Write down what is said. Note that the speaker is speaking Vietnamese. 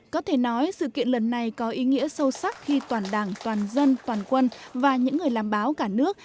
có thể nói sự kiện lần này có ý nghĩa sâu sắc khi toàn đảng toàn dân toàn quân và những người làm báo cả nước